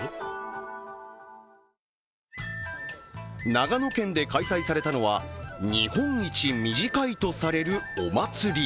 長野県で開催されたのは日本一短いとされるお祭り。